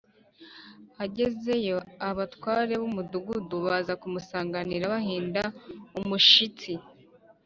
Agezeyo abatware b’umudugudu baza kumusanganira bahinda umushitsi.